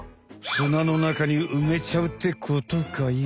砂の中に埋めちゃうってことかよ。